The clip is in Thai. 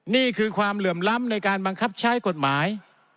นี่คือความเหลื่อมล้ำในการบังคับใช้กฎหมาย